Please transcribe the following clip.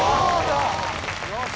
よし。